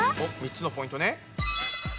３つのポイントね。